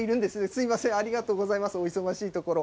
すみません、ありがとうございます、お忙しいところ。